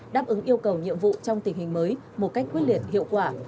đáp ứng yêu cầu nhiệm vụ trong tình hình mới một cách quyết liệt hiệu quả